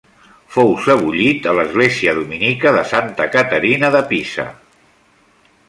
Fou sebollit a l'església dominica de Santa Caterina de Pisa.